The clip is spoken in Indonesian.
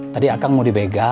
tadi akang mau dibegal